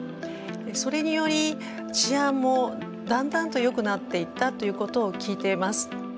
それにより治安もだんだんとよくなっていったということを聞いています。